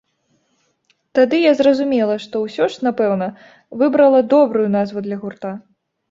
Тады я зразумела, што ўсё ж напэўна выбрала добрую назву для гурта.